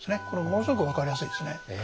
これものすごく分かりやすいですね。